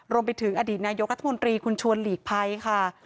รวมไปถึงอดีตนายกรัฐมนตรีคุณชวนหลีกภัยค่ะ